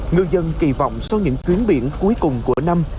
ngư dân kỳ vọng sau những chuyến biển cuối cùng của năm